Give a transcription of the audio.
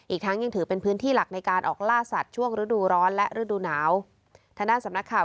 อีกทั้งยังถือเป็นพื้นที่หลักในการออกล่าสัตว์ช่วงฤดูร้อนและฤดูหนาว